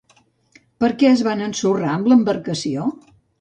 Per què es van ensorrar amb l'embarcació?